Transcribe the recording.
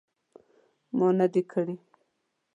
ما نه دي کړي